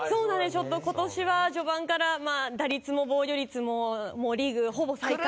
ちょっと今年は序盤からまあ打率も防御率ももうリーグほぼ最下位。